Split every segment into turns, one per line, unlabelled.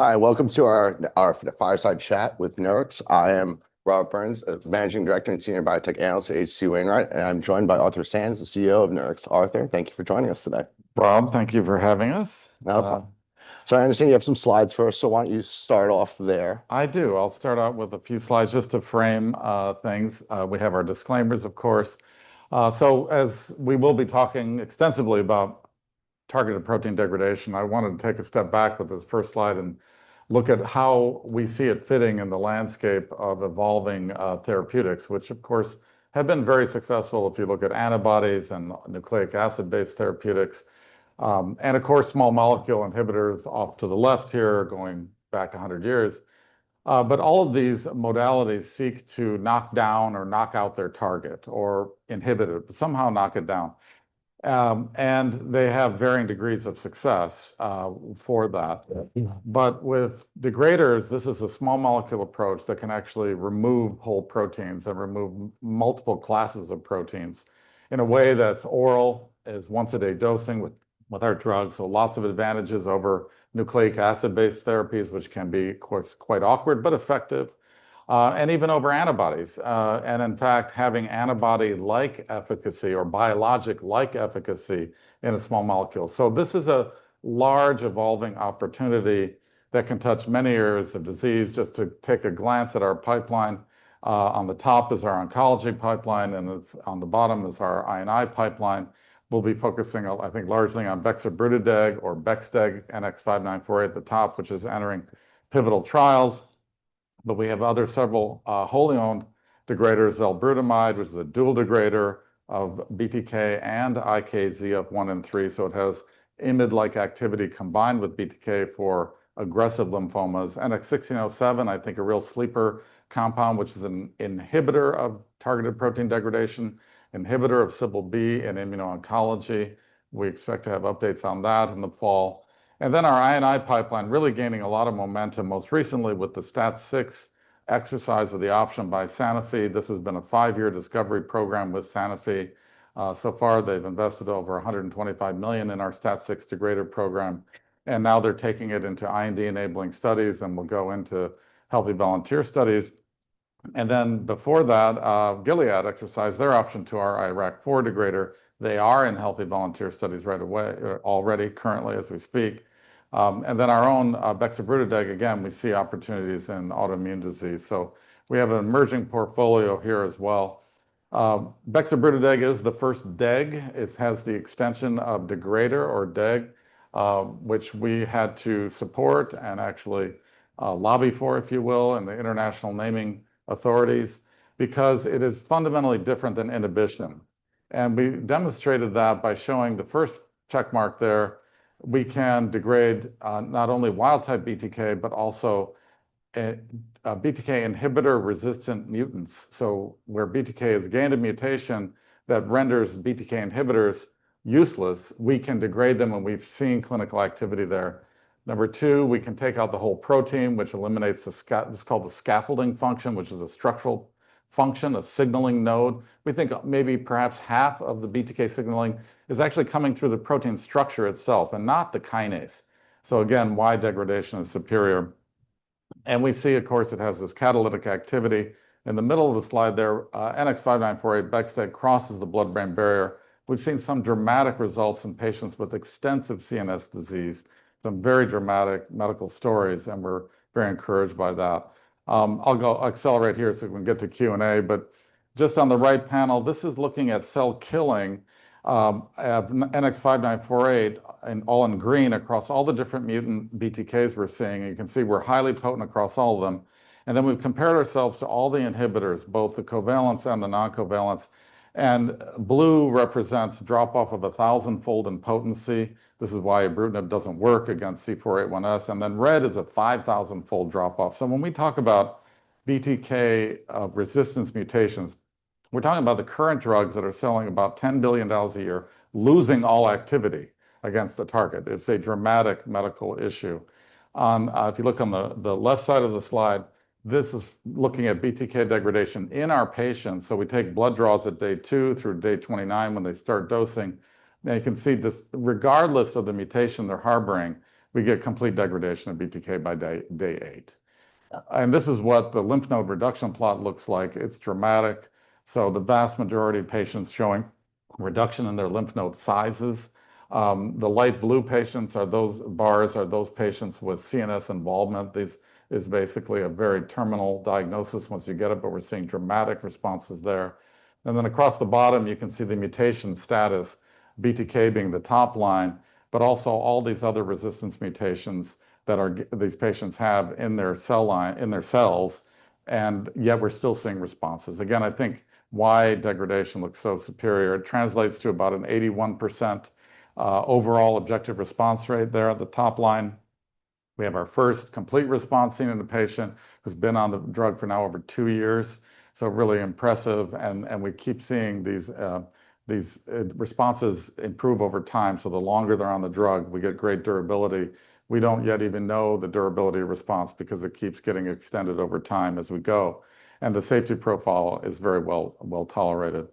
Hi, welcome to our fireside chat with Nurix. I am Rob Burns, Managing Director and Senior Biotech Analyst at H.C. Wainwright, and I'm joined by Arthur Sands, the CEO of Nurix. Arthur, thank you for joining us today.
Rob, thank you for having us.
So I understand you have some slides for us, so why don't you start off there?
I do. I'll start out with a few slides just to frame things. We have our disclaimers, of course. So as we will be talking extensively about targeted protein degradation, I wanted to take a step back with this first slide and look at how we see it fitting in the landscape of evolving therapeutics, which, of course, have been very successful if you look at antibodies and nucleic acid-based therapeutics. And of course, small molecule inhibitors off to the left here, going back 100 years. But all of these modalities seek to knock down or knock out their target or inhibit it, but somehow knock it down. And they have varying degrees of success for that. But with degraders, this is a small molecule approach that can actually remove whole proteins and remove multiple classes of proteins in a way that's oral, is once-a-day dosing with our drugs. So lots of advantages over nucleic acid-based therapies, which can be, of course, quite awkward, but effective. And even over antibodies. And in fact, having antibody-like efficacy or biologic-like efficacy in a small molecule. So this is a large evolving opportunity that can touch many areas of disease. Just to take a glance at our pipeline, on the top is our oncology pipeline, and on the bottom is our II pipeline. We'll be focusing, I think, largely on Bexabrutadeg or Bexabrutadeg NX-5948 at the top, which is entering pivotal trials. But we have other several wholly owned degraders, Zelbrutamide, which is a dual degrader of BTK and IKZF1 and 3. So it has IMiD-like activity combined with BTK for aggressive lymphomas. NX-1607, I think a real sleeper compound, which is an inhibitor of targeted protein degradation, inhibitor of Cbl-b in immuno-oncology. We expect to have updates on that in the fall. Our I&I pipeline is really gaining a lot of momentum most recently with the STAT6 option exercise by Sanofi. This has been a five-year discovery program with Sanofi. So far, they have invested over $125 million in our STAT6 degrader program, and now they are taking it into IND-enabling studies and will go into healthy volunteer studies. Before that, Gilead exercised their option to our IRAK4 degrader. They are in healthy volunteer studies right away, already currently as we speak. Our own Bexabrutadeg, again, we see opportunities in autoimmune disease. So we have an emerging portfolio here as well. Bexabrutadeg is the first degrader. It has the extension of degrader or DEG, which we had to support and actually lobby for, if you will, and the international naming authorities, because it is fundamentally different than inhibition. We demonstrated that by showing the first checkmark there. We can degrade not only wild-type BTK, but also BTK inhibitor-resistant mutants. Where BTK has gained a mutation that renders BTK inhibitors useless, we can degrade them when we've seen clinical activity there. Number two, we can take out the whole protein, which eliminates what's called the scaffolding function, which is a structural function, a signaling node. We think maybe perhaps half of the BTK signaling is actually coming through the protein structure itself and not the kinase. Again, why degradation is superior. We see, of course, it has this catalytic activity. In the middle of the slide there, NX-5948 bexabrutadeg crosses the blood-brain barrier. We've seen some dramatic results in patients with extensive CNS disease, some very dramatic medical stories, and we're very encouraged by that. I'll go accelerate here so we can get to Q&A. But just on the right panel, this is looking at cell killing of NX-5948, all in green across all the different mutant BTKs we're seeing. You can see we're highly potent across all of them. And then we've compared ourselves to all the inhibitors, both the covalents and the non-covalents. And blue represents drop-off of a thousand-fold in potency. This is why ibrutinib doesn't work against C481S. And then red is a 5,000-fold drop-off. So when we talk about BTK resistance mutations, we're talking about the current drugs that are selling about $10 billion a year, losing all activity against the target. It's a dramatic medical issue. If you look on the left side of the slide, this is looking at BTK degradation in our patients. So we take blood draws at day two through day 29 when they start dosing. And you can see, just regardless of the mutation they're harboring, we get complete degradation of BTK by day eight. And this is what the lymph node reduction plot looks like. It's dramatic. So the vast majority of patients showing reduction in their lymph node sizes. The light blue patients are those bars, those patients with CNS involvement. This is basically a very terminal diagnosis once you get it, but we're seeing dramatic responses there. And then across the bottom, you can see the mutation status, BTK being the top line, but also all these other resistance mutations that these patients have in their cell line, in their cells, and yet we're still seeing responses. Again, I think why degradation looks so superior. It translates to about an 81% overall objective response rate there at the top line. We have our first complete response seen in a patient who's been on the drug for now over two years. So really impressive. And we keep seeing these responses improve over time. So the longer they're on the drug, we get great durability. We don't yet even know the durability of response because it keeps getting extended over time as we go. And the safety profile is very well tolerated.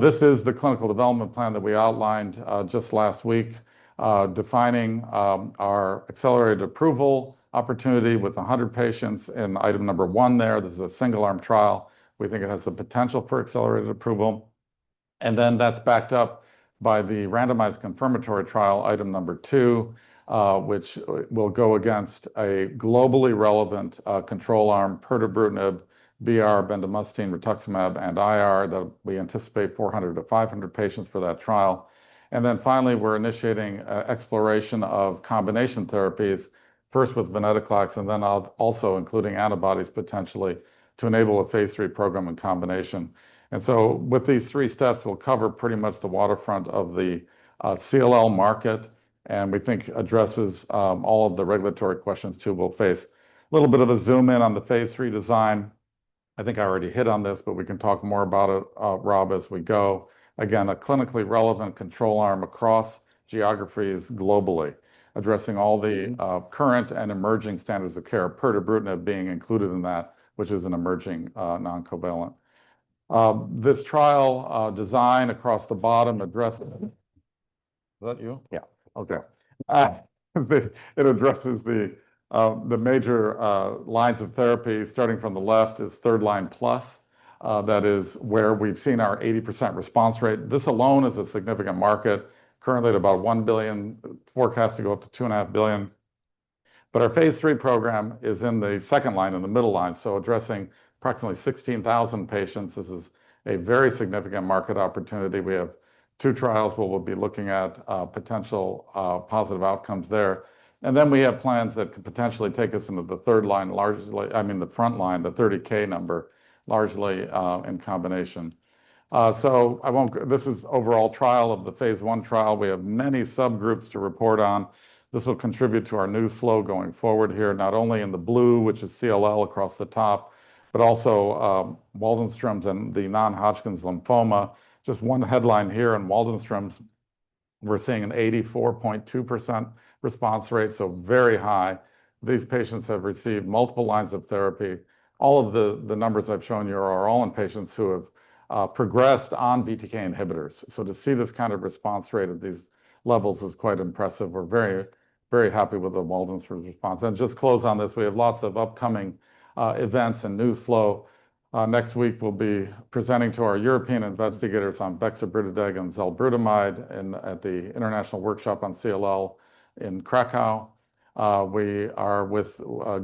This is the clinical development plan that we outlined just last week, defining our accelerated approval opportunity with 100 patients in item number one there. This is a single-arm trial. We think it has the potential for accelerated approval. Then that's backed up by the randomized confirmatory trial, item number two, which will go against a globally relevant control arm, pertubrutinib, BR, bendamustine, rituximab, and IR that we anticipate 400-500 patients for that trial. Then finally, we're initiating exploration of combination therapies, first with venetoclax and then also including antibodies potentially to enable a phase three program in combination. So with these three steps, we'll cover pretty much the waterfront of the CLL market, and we think addresses all of the regulatory questions too, we'll face. A little bit of a zoom in on the phase three design. I think I already hit on this, but we can talk more about it, Rob, as we go. Again, a clinically relevant control arm across geographies globally, addressing all the current and emerging standards of care, pertubrutinib being included in that, which is an emerging non-covalent. This trial design across the bottom addressed. Is that you?
Yeah.
Okay. It addresses the major lines of therapy. Starting from the left is third line plus. That is where we've seen our 80% response rate. This alone is a significant market, currently at about $1 billion, forecast to go up to $2.5 billion, but our phase 3 program is in the second line, in the middle line. So addressing approximately 16,000 patients, this is a very significant market opportunity. We have two trials where we'll be looking at potential positive outcomes there, and then we have plans that could potentially take us into the third line, largely—I mean, the front line, the 30,000 number, largely in combination, so this is overall trial of the phase 1 trial. We have many subgroups to report on. This will contribute to our news flow going forward here, not only in the blue, which is CLL across the top, but also Waldenstrom's and the non-Hodgkin's lymphoma. Just one headline here in Waldenstrom's, we're seeing an 84.2% response rate, so very high. These patients have received multiple lines of therapy. All of the numbers I've shown you are all in patients who have progressed on BTK inhibitors. So to see this kind of response rate at these levels is quite impressive. We're very, very happy with the Waldenstrom's response. Just close on this, we have lots of upcoming events and news flow. Next week, we'll be presenting to our European investigators on Bexabrutadeg and Zelbrutamide at the International Workshop on CLL in Krakow. We are with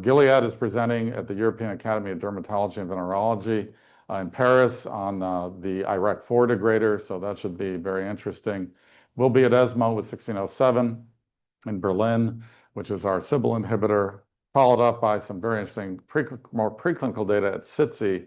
Gilead is presenting at the European Academy of Dermatology and Venereology in Paris on the IRAK4 degrader. So that should be very interesting. We'll be at ESMO with 1607 in Berlin, which is our Cbl-b inhibitor, followed up by some very interesting more preclinical data at SITC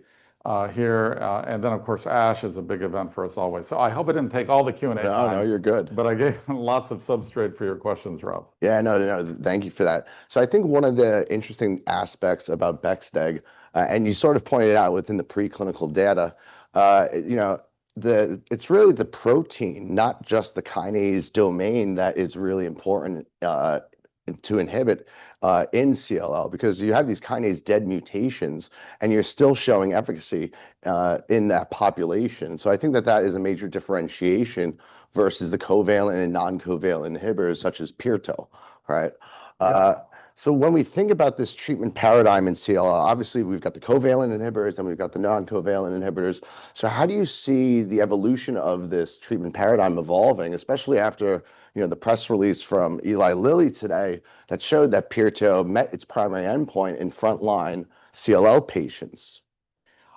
here. And then, of course, ASH is a big event for us always. So I hope I didn't take all the Q&A time.
No, no, you're good.
But I gave lots of substance for your questions, Rob.
Yeah, no, no, thank you for that. So I think one of the interesting aspects about Bexabrutadeg, and you sort of pointed out within the preclinical data, it's really the protein, not just the kinase domain that is really important to inhibit in CLL, because you have these kinase-dead mutations and you're still showing efficacy in that population. So I think that that is a major differentiation versus the covalent and non-covalent inhibitors such as Pirto, right? So when we think about this treatment paradigm in CLL, obviously we've got the covalent inhibitors and we've got the non-covalent inhibitors. So how do you see the evolution of this treatment paradigm evolving, especially after the press release from Eli Lilly today that showed that Pirto met its primary endpoint in front-line CLL patients?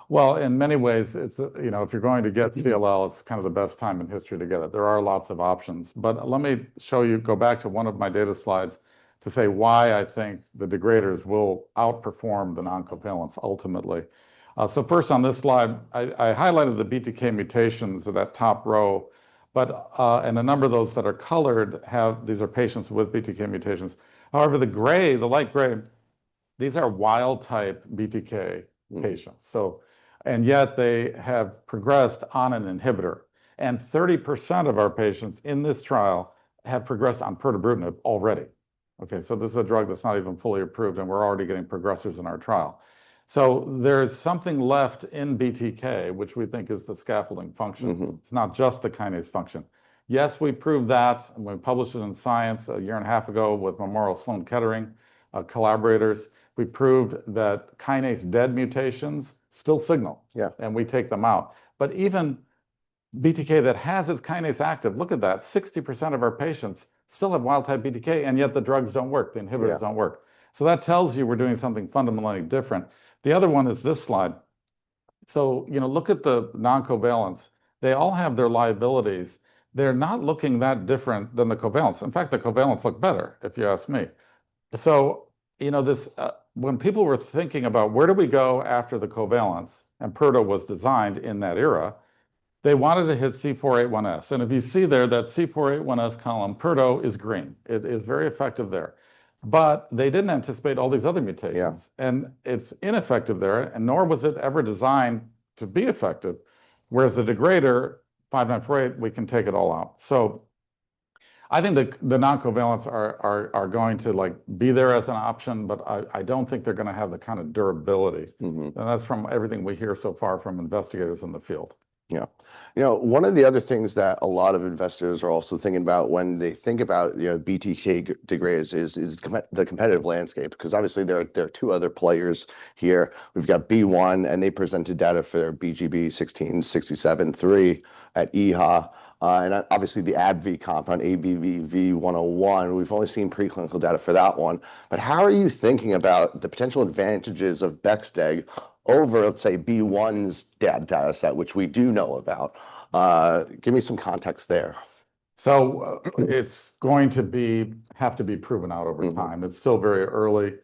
Well, in many ways, if you're going to get CLL, it's kind of the best time in history to get it. There are lots of options. But let me show you, go back to one of my data slides to say why I think the degraders will outperform the non-covalents ultimately. So first on this slide, I highlighted the BTK mutations of that top row, but in a number of those that are colored, these are patients with BTK mutations. However, the gray, the light gray, these are wild-type BTK patients. And yet they have progressed on an inhibitor. And 30% of our patients in this trial have progressed on Pertubrutinib already. Okay, so this is a drug that's not even fully approved and we're already getting progressors in our trial. So there's something left in BTK, which we think is the scaffolding function. It's not just the kinase function. Yes, we proved that when we published it in Science a year and a half ago with Memorial Sloan Kettering collaborators. We proved that kinase-dead mutations still signal, yeah, and we take them out, but even BTK that has its kinase active, look at that, 60% of our patients still have wild-type BTK, and yet the drugs don't work. The inhibitors don't work, so that tells you we're doing something fundamentally different. The other one is this slide, so look at the non-covalents. They all have their liabilities. They're not looking that different than the covalents. In fact, the covalents look better, if you ask me, so when people were thinking about where do we go after the covalents and PIRTO was designed in that era, they wanted to hit C481S, and if you see there, that C481S column, PIRTO is green. It is very effective there. But they didn't anticipate all these other mutations. And it's ineffective there, and nor was it ever designed to be effective. Whereas the degrader, 5948, we can take it all out. So I think the non-covalents are going to be there as an option, but I don't think they're going to have the kind of durability. And that's from everything we hear so far from investigators in the field.
Yeah. You know, one of the other things that a lot of investors are also thinking about when they think about BTK degraders is the competitive landscape, because obviously there are two other players here. We've got B1, and they presented data for their BGB-16673 at EHA. And obviously the ABBV compound, ABBV-101, we've only seen preclinical data for that one. But how are you thinking about the potential advantages of Bexabrutadeg over, let's say, B1's data set, which we do know about? Give me some context there.
So it's going to have to be proven out over time. It's still very early.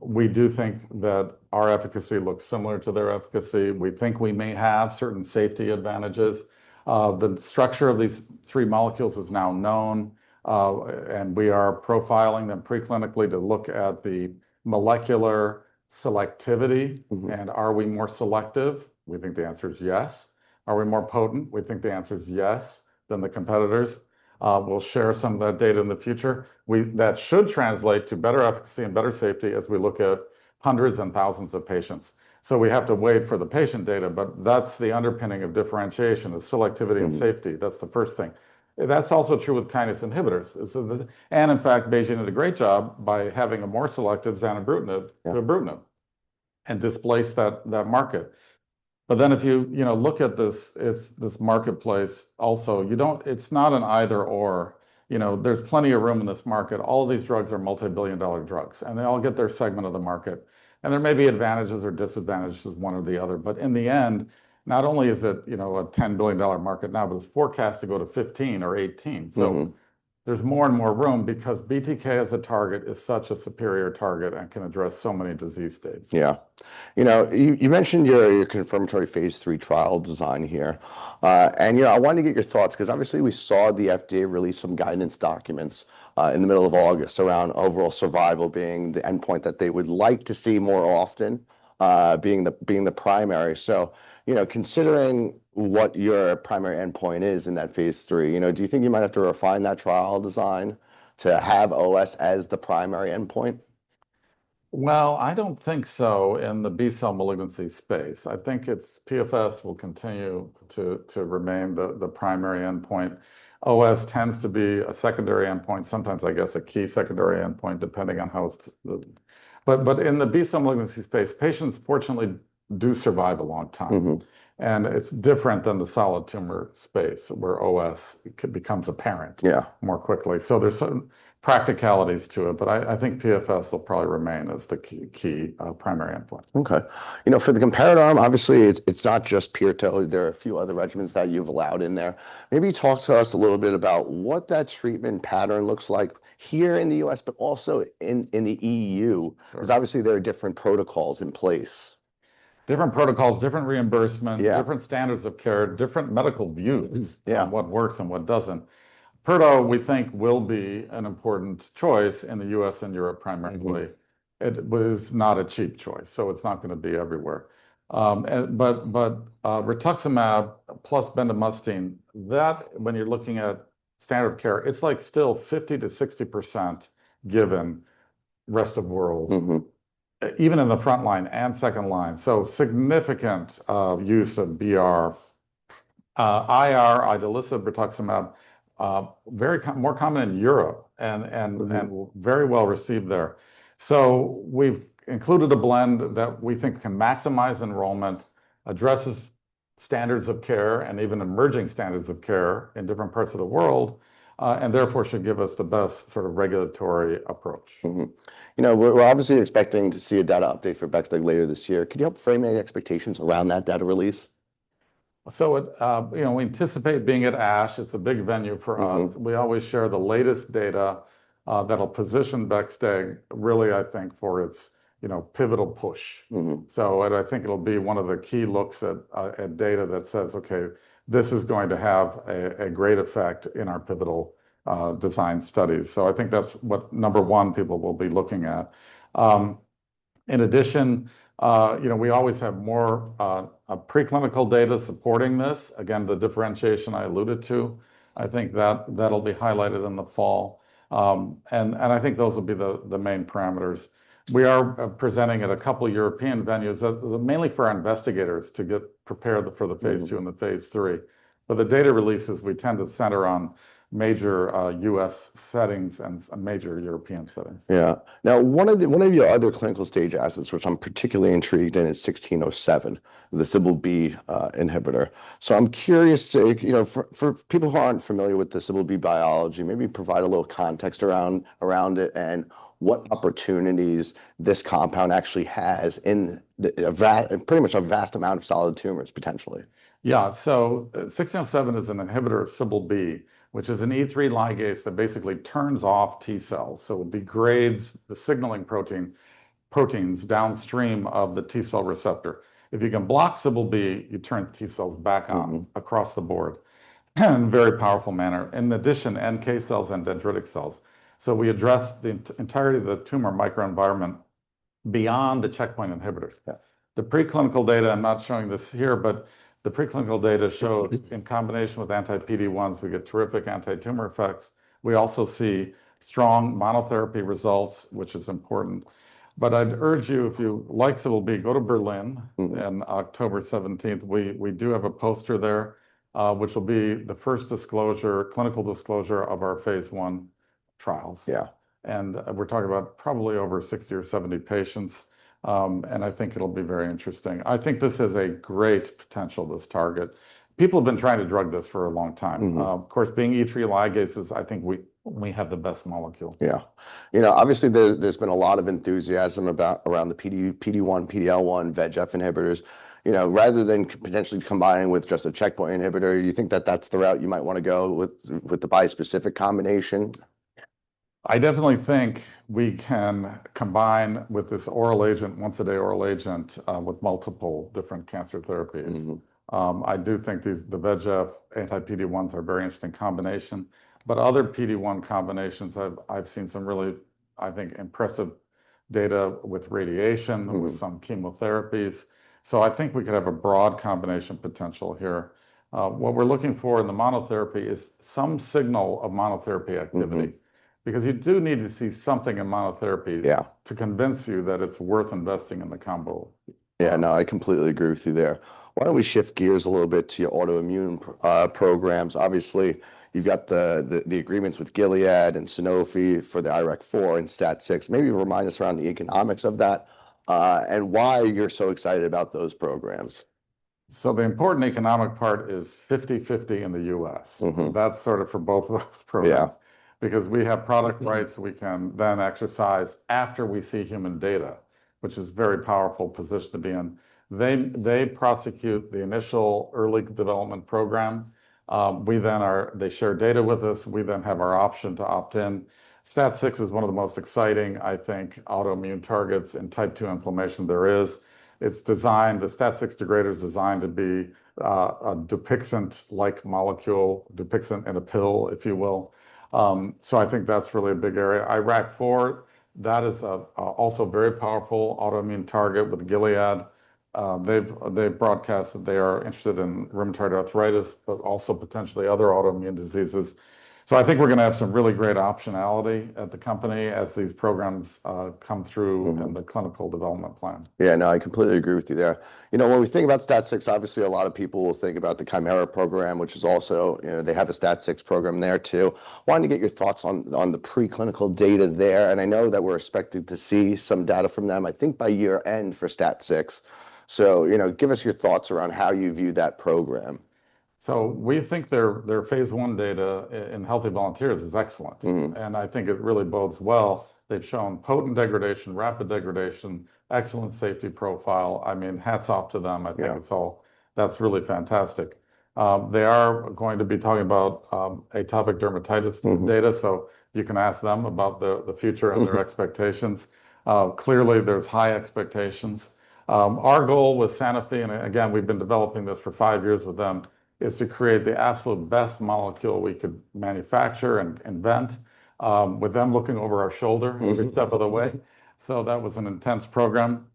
We do think that our efficacy looks similar to their efficacy. We think we may have certain safety advantages. The structure of these three molecules is now known, and we are profiling them preclinically to look at the molecular selectivity. And are we more selective? We think the answer is yes. Are we more potent? We think the answer is yes, than the competitors. We'll share some of that data in the future. That should translate to better efficacy and better safety as we look at hundreds and thousands of patients. So we have to wait for the patient data, but that's the underpinning of differentiation, the selectivity and safety. That's the first thing. That's also true with kinase inhibitors. In fact, BeiGene did a great job by having a more selective zanubrutinib, ibrutinib, and displaced that market. But then if you look at this marketplace also, it's not an either/or. There's plenty of room in this market. All of these drugs are multi-billion dollar drugs, and they all get their segment of the market. And there may be advantages or disadvantages to one or the other. But in the end, not only is it a $10 billion market now, but it's forecast to go to 15 or 18. So there's more and more room because BTK as a target is such a superior target and can address so many disease states.
Yeah. You mentioned your confirmatory phase three trial design here. And I wanted to get your thoughts because obviously we saw the FDA release some guidance documents in the middle of August around overall survival being the endpoint that they would like to see more often being the primary. So considering what your primary endpoint is in that phase three, do you think you might have to refine that trial design to have OS as the primary endpoint?
I don't think so in the B-cell malignancy space. I think its PFS will continue to remain the primary endpoint. OS tends to be a secondary endpoint, sometimes I guess a key secondary endpoint depending on how it's. But in the B-cell malignancy space, patients fortunately do survive a long time. And it's different than the solid tumor space where OS becomes apparent more quickly. So there's some practicalities to it, but I think PFS will probably remain as the key primary endpoint.
Okay. You know, for the comparator arm, obviously it's not just PIRTO. There are a few other regimens that you've allowed in there. Maybe talk to us a little bit about what that treatment pattern looks like here in the U.S., but also in the E.U., because obviously there are different protocols in place.
Different protocols, different reimbursements, different standards of care, different medical views on what works and what doesn't. PIRTO, we think, will be an important choice in the U.S. and Europe primarily. It was not a cheap choice, so it's not going to be everywhere, but rituximab plus bendamustine, that when you're looking at standard of care, it's like still 50%-60% given rest of world, even in the front line and second line, so significant use of BR. IR, idelalisib, rituximab, very more common in Europe and very well received there, so we've included a blend that we think can maximize enrollment, addresses standards of care and even emerging standards of care in different parts of the world, and therefore should give us the best sort of regulatory approach.
You know, we're obviously expecting to see a data update for Bexabrutadeg later this year. Could you help frame any expectations around that data release?
We anticipate being at ASH. It's a big venue for us. We always share the latest data that'll position Bexabrutadeg really, I think, for its pivotal push. I think it'll be one of the key looks at data that says, okay, this is going to have a great effect in our pivotal design studies. I think that's what number one people will be looking at. In addition, we always have more preclinical data supporting this. Again, the differentiation I alluded to, I think that'll be highlighted in the fall. I think those will be the main parameters. We are presenting at a couple of European venues, mainly for our investigators to get prepared for the phase two and the phase three. The data releases, we tend to center on major U.S. settings and major European settings.
Yeah. Now, one of your other clinical stage assets, which I'm particularly intrigued in, is 1607, the Cbl-b inhibitor. So I'm curious, for people who aren't familiar with the Cbl-b biology, maybe provide a little context around it and what opportunities this compound actually has in pretty much a vast amount of solid tumors potentially.
Yeah. So NX-1607 is an inhibitor of Cbl-b, which is an E3 ligase that basically turns off T cells. So it degrades the signaling proteins downstream of the T cell receptor. If you can block Cbl-b, you turn T cells back on across the board in a very powerful manner. In addition, NK cells and dendritic cells. So we address the entirety of the tumor microenvironment beyond the checkpoint inhibitors. The preclinical data, I'm not showing this here, but the preclinical data showed in combination with anti-PD1s, we get terrific anti-tumor effects. We also see strong monotherapy results, which is important. But I'd urge you, if you like Cbl-b, go to Berlin on October 17th. We do have a poster there, which will be the first clinical disclosure of our phase 1 trials. Yeah, and we're talking about probably over 60 or 70 patients. I think it'll be very interesting. I think this has a great potential, this target. People have been trying to drug this for a long time. Of course, being E3 ligases, I think we have the best molecule.
Yeah. You know, obviously there's been a lot of enthusiasm around the PD1, PDL1, VEGF inhibitors. Rather than potentially combining with just a checkpoint inhibitor, you think that that's the route you might want to go with the bispecific combination?
I definitely think we can combine with this oral agent, once-a-day oral agent, with multiple different cancer therapies. I do think the VEGF anti-PD1s are a very interesting combination, but other PD1 combinations, I've seen some really, I think, impressive data with radiation, with some chemotherapies, so I think we could have a broad combination potential here. What we're looking for in the monotherapy is some signal of monotherapy activity, because you do need to see something in monotherapy to convince you that it's worth investing in the combo.
Yeah, no, I completely agree with you there. Why don't we shift gears a little bit to your autoimmune programs? Obviously, you've got the agreements with Gilead and Sanofi for the IRAK4 and STAT6. Maybe remind us around the economics of that and why you're so excited about those programs.
So the important economic part is 50/50 in the US. That's sort of for both of those programs. Because we have product rights, we can then exercise after we see human data, which is a very powerful position to be in. They prosecute the initial early development program. They share data with us. We then have our option to opt in. STAT6 is one of the most exciting, I think, autoimmune targets in type 2 inflammation there is. The STAT6 degrader is designed to be a Dupixent-like molecule, Dupixent in a pill, if you will. So I think that's really a big area. IRAK4, that is also a very powerful autoimmune target with Gilead. They've broadcast that they are interested in rheumatoid arthritis, but also potentially other autoimmune diseases. So I think we're going to have some really great optionality at the company as these programs come through in the clinical development plan.
Yeah, no, I completely agree with you there. You know, when we think about STAT6, obviously a lot of people will think about the Kymera program, which is also. They have a STAT6 program there too. Wanted to get your thoughts on the preclinical data there, and I know that we're expected to see some data from them. I think by year end for STAT6, so give us your thoughts around how you view that program.
So we think their phase one data in healthy volunteers is excellent. And I think it really bodes well. They've shown potent degradation, rapid degradation, excellent safety profile. I mean, hats off to them. I think that's really fantastic. They are going to be talking about atopic dermatitis data, so you can ask them about the future and their expectations. Clearly, there's high expectations. Our goal with Sanofi, and again, we've been developing this for five years with them, is to create the absolute best molecule we could manufacture and invent with them looking over our shoulder every step of the way. So that was an intense program.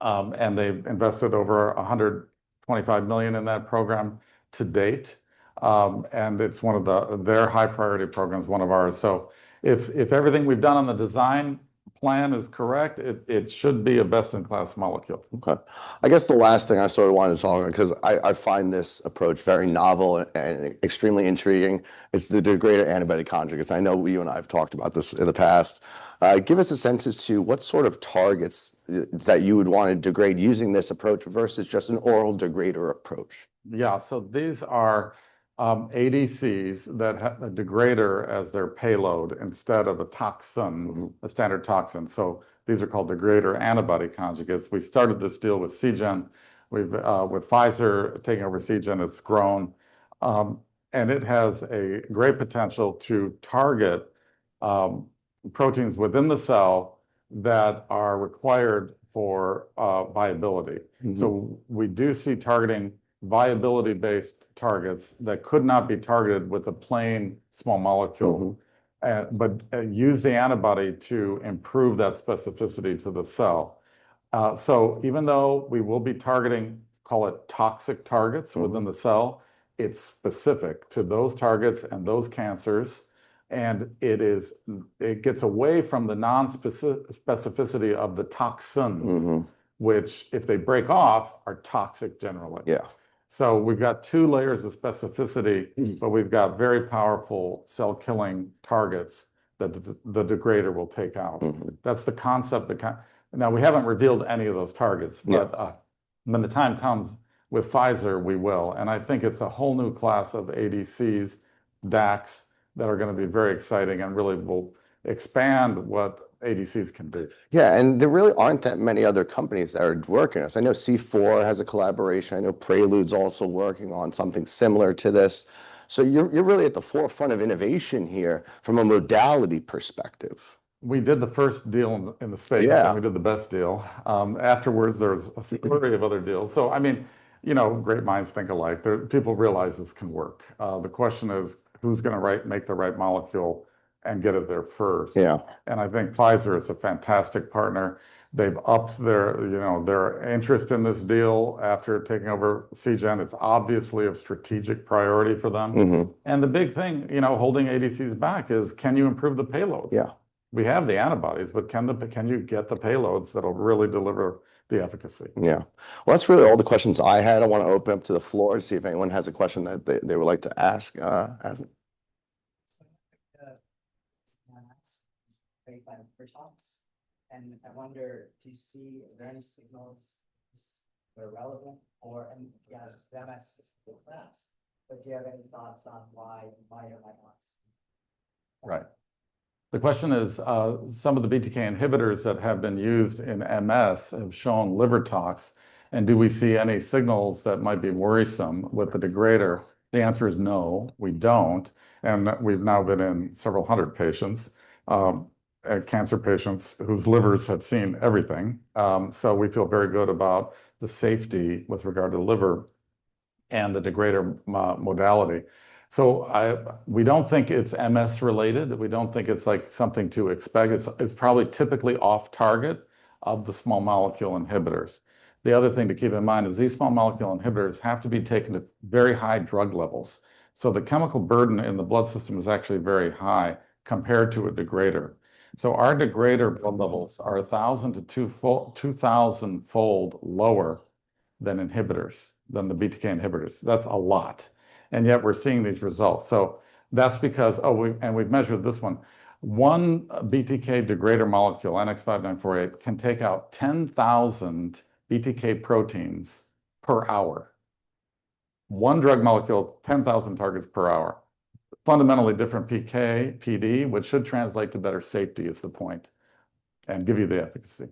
And they've invested over $125 million in that program to date. And it's one of their high-priority programs, one of ours. So if everything we've done on the design plan is correct, it should be a best-in-class molecule.
Okay. I guess the last thing I sort of wanted to talk about, because I find this approach very novel and extremely intriguing, is the degrader-antibody conjugates. I know you and I have talked about this in the past. Give us a sense as to what sort of targets that you would want to degrade using this approach versus just an oral degrader approach.
Yeah, so these are ADCs that have a degrader as their payload instead of a standard toxin. So these are called degrader antibody conjugates. We started this deal with Seagen. With Pfizer taking over Seagen, it's grown. And it has a great potential to target proteins within the cell that are required for viability. So we do see targeting viability-based targets that could not be targeted with a plain small molecule, but use the antibody to improve that specificity to the cell. So even though we will be targeting, call it toxic targets within the cell, it's specific to those targets and those cancers. And it gets away from the non-specificity of the toxins, which if they break off are toxic generally. So we've got two layers of specificity, but we've got very powerful cell-killing targets that the degrader will take out. That's the concept. Now, we haven't revealed any of those targets, but when the time comes with Pfizer, we will. And I think it's a whole new class of ADCs, DACs, that are going to be very exciting and really will expand what ADCs can do.
Yeah, and there really aren't that many other companies that are working on this. I know C4 has a collaboration. I know Prelude's also working on something similar to this. So you're really at the forefront of innovation here from a modality perspective.
We did the first deal in the space, and we did the best deal. Afterwards, there was a flurry of other deals. So I mean, you know, great minds think alike. People realize this can work. The question is, who's going to make the right molecule and get it there first? And I think Pfizer is a fantastic partner. They've upped their interest in this deal after taking over Seagen. It's obviously of strategic priority for them. And the big thing, you know, holding ADCs back is, can you improve the payloads? Yeah, we have the antibodies, but can you get the payloads that'll really deliver the efficacy?
Yeah. Well, that's really all the questions I had. I want to open up to the floor to see if anyone has a question that they would like to ask.
So I'm at the clinic with my nephew, and I wonder, do you see any signals that are relevant for MS specifically in labs? But do you have any thoughts on why or why not?
Right. The question is, some of the BTK inhibitors that have been used in MS have shown liver tox, and do we see any signals that might be worrisome with the degrader? The answer is no, we don't, and we've now been in several hundred patients, cancer patients whose livers have seen everything. We feel very good about the safety with regard to liver and the degrader modality, so we don't think it's MS-related. We don't think it's like something to expect. It's probably typically off-target of the small molecule inhibitors. The other thing to keep in mind is these small molecule inhibitors have to be taken at very high drug levels, so the chemical burden in the blood system is actually very high compared to a degrader. Our degrader blood levels are 1,000- to 2,000-fold lower than inhibitors, than the BTK inhibitors. That's a lot. Yet we're seeing these results. That's because, and we've measured this one. One BTK degrader molecule, NX-5948, can take out 10,000 BTK proteins per hour. One drug molecule, 10,000 targets per hour. Fundamentally different PK, PD, which should translate to better safety, is the point, and give you the efficacy.